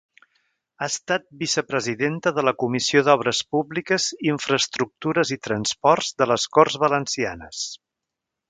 Ha estat vicepresidenta de la Comissió d'Obres Públiques, Infraestructures i Transports de les Corts Valencianes.